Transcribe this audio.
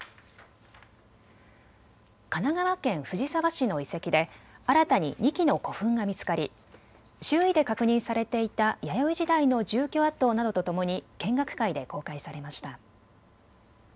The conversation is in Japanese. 神奈川県藤沢市の遺跡で新たに２基の古墳が見つかり周囲で確認されていた弥生時代の住居跡などとともに見学会で公開されました。